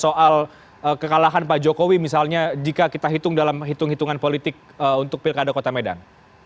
soal kekalahan pak jokowi misalnya jika kita hitung dalam hitung hitungan politik untuk pilkada kota medan